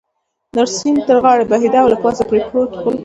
سیند تر غاړې بهېده او له پاسه پرې پروت پل.